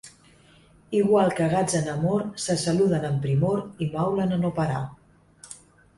Igual que gats en amor, se saluden amb primor i maulen a no parar.